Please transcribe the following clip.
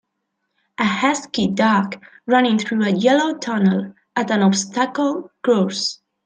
a husky dog running through a yellow tunnel at an obstacle course.